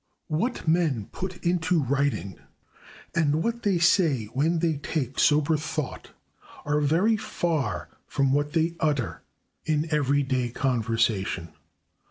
What men put into writing and what they say when they take sober thought are very far from what they utter in everyday conversation.